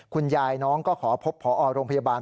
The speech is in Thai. คุณยายน้องก็ขอพบพอโรงพยาบาล